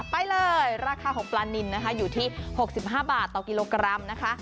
ไปเลยราคาของปลานินนะคะอยู่ที่๖๕บาทต่อกิโลกรัมนะคะ